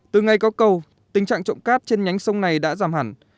từ ngày có cầu tình trạng trộm cát trên nhánh sông này đã giảm hẳn